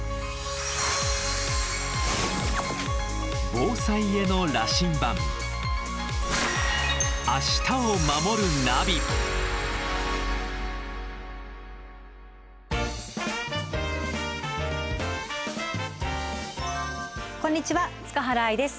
防災への羅針盤こんにちは塚原愛です。